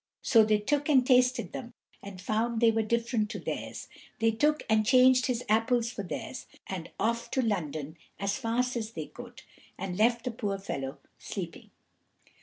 So they took and tasted them, and found they were different to theirs. They took and changed his apples for theirs, and off to London as fast as they could, and left the poor fellow sleeping.